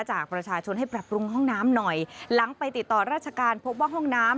จากประชาชนให้ปรับปรุงห้องน้ำหน่อยหลังไปติดต่อราชการพบว่าห้องน้ำ